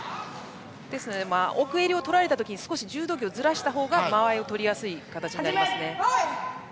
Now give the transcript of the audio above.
ですので奥襟を取られた時に柔道着をずらした方が間合いを取りやすい形になります。